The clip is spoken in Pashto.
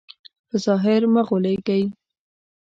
په ظاهر مه غولېږئ.